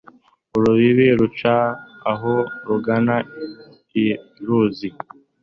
urubibi rugaca aho rugana i luzi